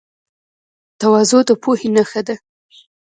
تواضع د پوهې نښه ده.